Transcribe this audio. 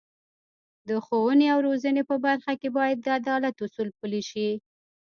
د ښوونې او روزنې په برخه کې باید د عدالت اصول پلي شي.